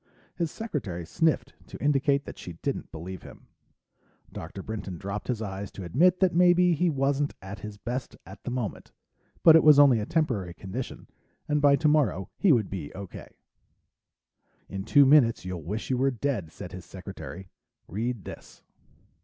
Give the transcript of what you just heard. His secretary sniffed to indicate that she didn't believe him. Dr. Brinton dropped his eyes to admit that maybe he wasn't at his best at the moment, but it was only a temporary condition, and by tomorrow he would be okay. "In two minutes you'll wish you were dead," said his secretary. "Read this."